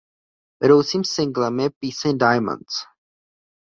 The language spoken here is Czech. Vedoucím singlem je píseň "Diamonds".